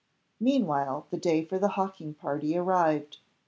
Meanwhile the day for the hawking party arrived.